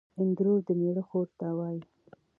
اندرور دمېړه خور ته وايي